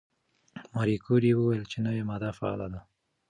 ماري کوري وویل چې نوې ماده فعاله ده.